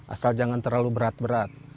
asal jangan terlalu berat berat